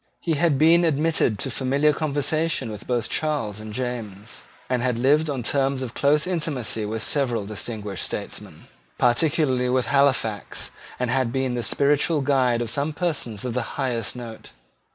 He had been admitted to familiar conversation both with Charles and James, had lived on terms of close intimacy with several distinguished statesmen, particularly with Halifax, and had been the spiritual guide of some persons of the highest note.